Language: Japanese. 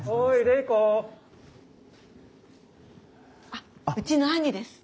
あっうちの兄です。